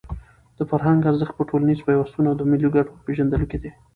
د فرهنګ ارزښت په ټولنیز پیوستون او د ملي ګټو په پېژندلو کې دی.